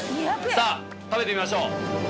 さぁ食べてみましょう！